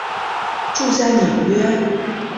住在纽约。